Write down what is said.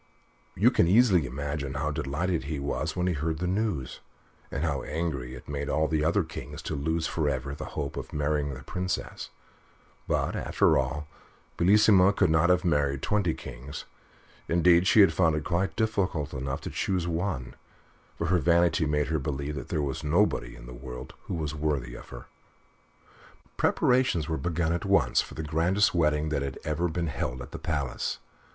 You can easily imagine how delighted he was when he heard the news, and how angry it made all the other kings to lose for ever the hope of marrying the Princess; but, after all, Bellissima could not have married twenty kings indeed, she had found it quite difficult enough to choose one, for her vanity made her believe that there was nobody in the world who was worthy of her. Preparations were begun at once for the grandest wedding that had ever been held at the palace.